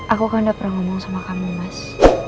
aku kan gak pernah ngomong sama kamu mas